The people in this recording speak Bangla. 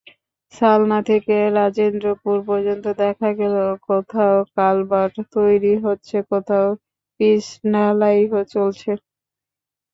সালানা থেকে রাজেন্দ্রপুর পর্যন্ত দেখা গেল কোথাও কালভার্ট তৈরি হচ্ছে, কোথাও পিচঢালাই চলছে।